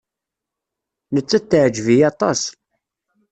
Nettat teɛjeb-iyi aṭas.